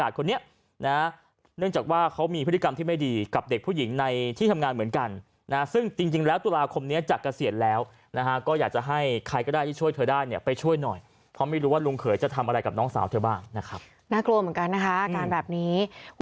ซึ่งตุลาคมนี้จากเกษียณแล้วก็อยากให้ใครก็ได้ที่ช่วยเธอได้ไปช่วยหน่อยเพราะไม่รู้ว่าลุงเขยจะทำอะไรกับน้องสาวเธอบ้างนะครับน่ากลัวเหมือนกันนะคะอาการแบบนี้